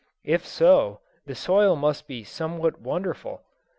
If so, the soil must be somewhat wonderful.